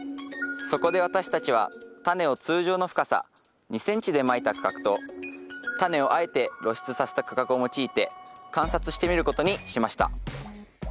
そこで私たちはタネを通常の深さ２ｃｍでまいた区画とタネをあえて露出させた区画を用いて観察してみることにしました。